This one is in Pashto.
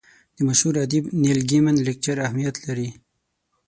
د مشهور ادیب نیل ګیمن لیکچر اهمیت لري.